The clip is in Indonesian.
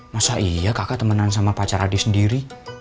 masa iya kakak temenan sama pacar adik sendiri